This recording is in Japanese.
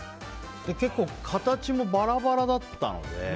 結構、形もバラバラだったので。